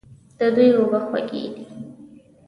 د دوی اوبه خوږې دي.